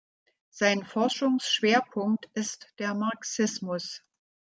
Sein Forschungsschwerpunkt ist der Marxismus.